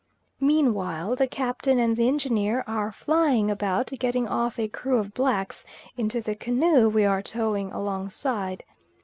Meanwhile the Captain and the Engineer are flying about getting off a crew of blacks into the canoe we are towing alongside.